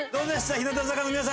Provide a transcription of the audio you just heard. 日向坂の皆さん